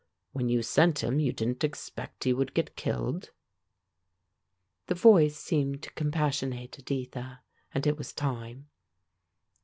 When you sent him you didn't expect he would get killed." The voice seemed to compassionate Editha, and it was time.